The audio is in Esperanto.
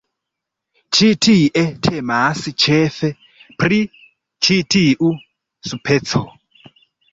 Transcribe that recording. Ĉi tie temas ĉefe pri ĉi tiu speco.